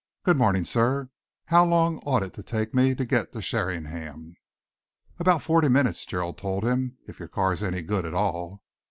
Good morning, sir. How long ought it to take me to get to Sheringham?" "About forty minutes," Gerald told him, "if your car's any good at all."